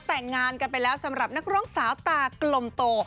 แต่งงานกันไปแล้วสำหรับนักร้องสาวตากลมโต